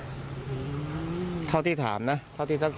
ทีมข่าวเราก็พยายามสอบปากคำในแหบนะครับ